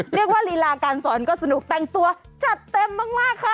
ลีลาการสอนก็สนุกแต่งตัวจัดเต็มมากค่ะ